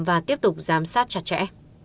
và tiếp tục giám sát chặt chẽ